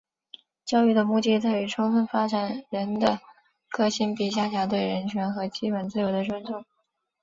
教育的目的在于充分发展人的个性并加强对人权和基本自由的尊重。